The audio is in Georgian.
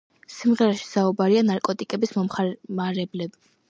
ინგლისის მეფე ჯონ უმიწაწყლოსა და დედოფალ იზაბელა ანჟულიმელის ასული.